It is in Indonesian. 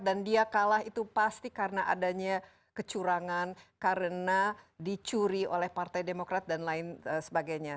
dan dia kalah itu pasti karena adanya kecurangan karena dicuri oleh partai demokrat dan lain sebagainya